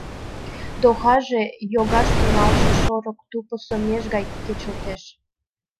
Дохаже йогаш тӱҥалше шорык тупысо меж гай кечылтеш.